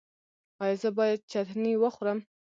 ایا زه باید چتني وخورم؟